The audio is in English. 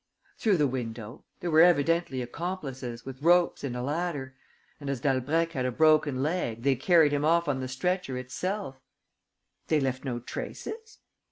"Through the window. There were evidently accomplices, with ropes and a ladder. And, as Dalbrèque had a broken leg, they carried him off on the stretcher itself." "They left no traces?"